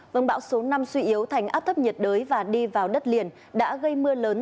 vâng bão số năm suy yếu thành áp thấp nhiệt đới và đi vào đất liền đã gây mưa lớn